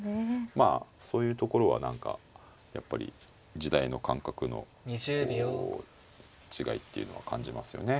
まあそういうところは何かやっぱり時代の感覚のこう違いっていうのは感じますよね。